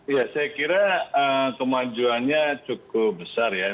ya saya kira kemajuannya cukup besar ya